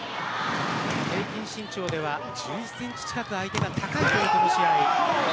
平均身長では１１センチ近く相手が高いというこの試合。